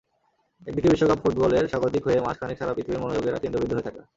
একদিকে বিশ্বকাপ ফুটবলের স্বাগতিক হয়ে মাস খানেক সারা পৃথিবীর মনোযোগের কেন্দ্রবিন্দু হয়ে থাকা।